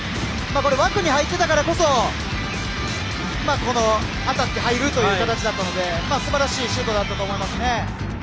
これ、枠に入っていたからこそ当たって入るという形だったので、すばらしいシュートだったと思いますね。